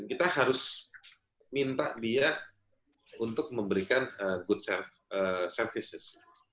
kita harus minta dia untuk memberikan makanan baik